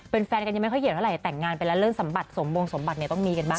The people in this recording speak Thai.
เป็นแฟนกันยังไม่ค่อยเหี่ยวเท่าไหร่แต่งงานไปแล้วเรื่องสมบัติสมบงสมบัติเนี่ยต้องมีกันบ้าง